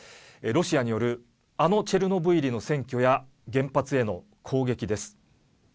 ロシアによるあのチェルノブイリの占拠や原発への攻撃です。